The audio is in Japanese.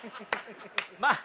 まあ。